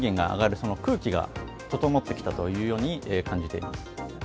その空気が整ってきたというふうに感じています。